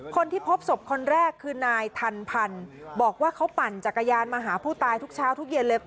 คนที่พบศพคนแรกคือนายทันพันธ์บอกว่าเขาปั่นจักรยานมาหาผู้ตายทุกเช้าทุกเย็นเลย